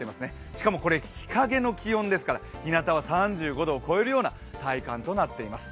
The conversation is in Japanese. しかもこれ日陰の気温ですからひなたは３５度を超えるような体感となっています。